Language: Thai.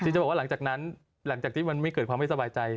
จะบอกว่าหลังจากนั้นหลังจากที่มันไม่เกิดความไม่สบายใจ